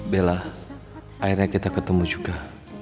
bela akhirnya kita ketemu juga